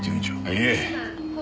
いえ。